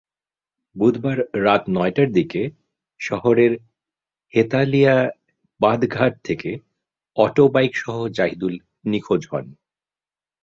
বুধবার রাত নয়টার দিকে শহরের হেতালিয়া বাঁধঘাট থেকে আটোবাইকসহ জাহিদুল নিখোঁজ হন।